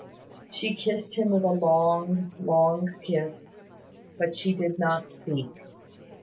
She kissed him with a long, long kiss; but she did not speak.